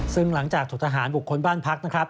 ซึ่งหลังจากถูกทหารบุคคลบ้านพักนะครับ